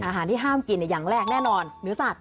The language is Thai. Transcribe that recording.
อาหารที่ห้ามกินอย่างแรกแน่นอนเนื้อสัตว